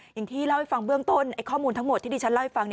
อย่างที่เล่าให้ฟังเบื้องต้นข้อมูลทั้งหมดที่ดิฉันเล่าให้ฟัง